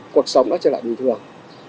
cuộc sống nó trở lại bình thường